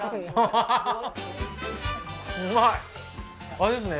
あれですね